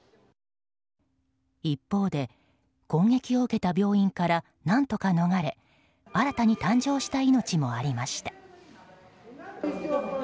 一方で、攻撃を受けた病院から何とか逃れ新たに誕生した命もありました。